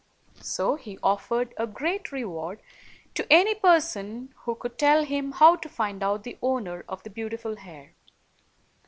So he offered a great reward to any person who could tell him how to find out the owner of the beautiful hair.